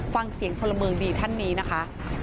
ฟังเสียงพลเมืองดีท่านนี้นะคะ